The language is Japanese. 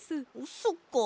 そっか。